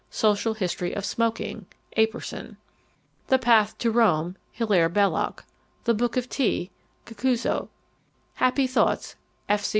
Social History of Smoking: Apperson The Path to Rome: Hilaire Belloc The Book of Tea: Kakuzo Happy Thoughts: F. C.